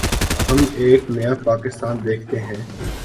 ہم ایک نیا پاکستان دیکھتے ہیں۔